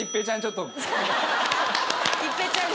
一平ちゃんが。